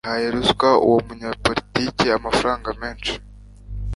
Yahaye ruswa uwo munyapolitike amafaranga menshi